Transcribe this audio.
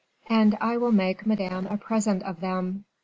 "And I will make Madame a present of them."